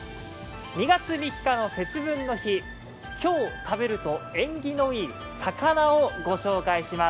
２月３日の節分の日の今日、食べると縁起のいい魚をご紹介します。